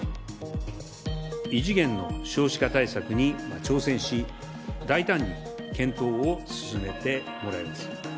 異次元の少子化対策に挑戦し、大胆に検討を進めてもらいます。